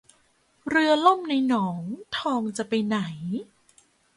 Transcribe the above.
เรือล่มในหนองทองจะไปไหน